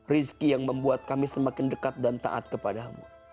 rizki yang membuat kami semakin dekat dan taat kepadamu